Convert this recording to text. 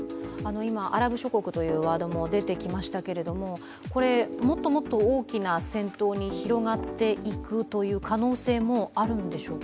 今アラブ諸国というワードも出てきましたけれどももっともっと大きな戦闘に広がっていくという可能性もあるんでしょうか？